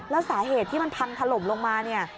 แล้วสาเหตุที่มันพังถล่มลงมาเนี่ย